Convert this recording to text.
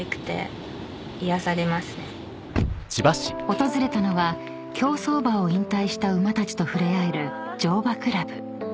［訪れたのは競走馬を引退した馬たちと触れ合える乗馬クラブ］